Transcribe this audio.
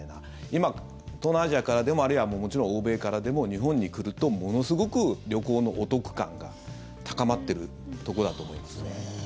今、東南アジアからでもあるいは、もちろん欧米からでも日本に来るとものすごく旅行のお得感が高まっているところだと思います。